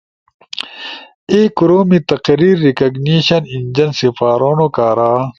اے کورومی تقریر ریکگنیشن انجن سپارونو کارا